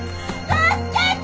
助けて！